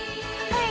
はい。